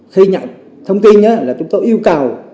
khi nhận thông tin là chúng tôi yêu cầu